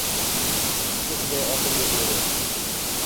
O‘qday otildi bo‘ri.